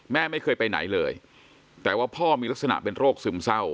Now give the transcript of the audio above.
แม่ไม่เคยไปไหนเลยแต่ว่าพ่อมีลักษณะเป็นโรคซึมเศร้า